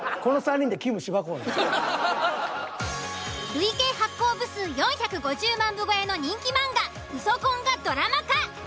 累計発行部数４５０万部超えの人気漫画「ウソ婚」がドラマ化。